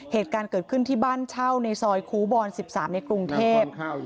เหตุการณ์เกิดขึ้นที่บ้านเช่าในซอยครูบอล๑๓ในกรุงเทพ